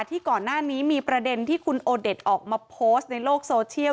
ที่ก่อนหน้านี้มีประเด็นที่คุณโอเด็ดออกมาโพสต์ในโลกโซเชียล